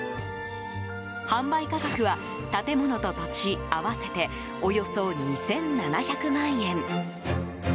販売価格は、建物と土地合わせておよそ２７００万円。